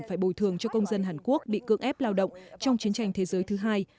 phải bồi thường cho công dân hàn quốc bị cưỡng ép lao động trong chiến tranh thế giới thứ hai